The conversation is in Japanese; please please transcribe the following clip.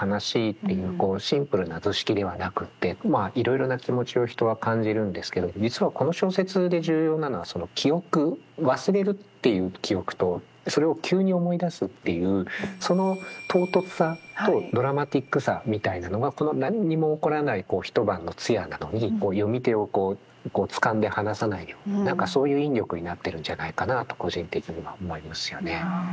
こうシンプルな図式ではなくってまあいろいろな気持ちを人は感じるんですけれど実はこの小説で重要なのはその記憶忘れるっていう記憶とそれを急に思い出すっていうその唐突さとドラマティックさみたいなのがこの何にも起こらない一晩の通夜なのに読み手をこうつかんで離さないような何かそういう引力になってるんじゃないかなと個人的には思いますよね。